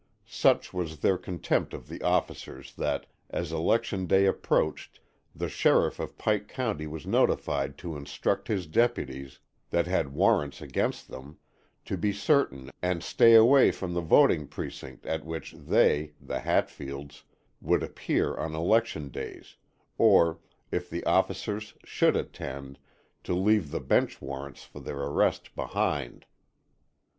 Such was their contempt of the officers that as election day approached, the sheriff of Pike County was notified to instruct his deputies, that had warrants against them, to be certain and stay away from the voting precinct at which they, the Hatfields, would appear on election days, or, if the officers should attend, to leave the bench warrants for their arrest behind.